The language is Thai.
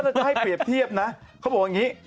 ถ้าบอกว่าจะให้เปรียบเทียบนะเขาบอกว่าอย่างนี้